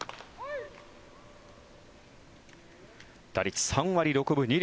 打率３割６分２厘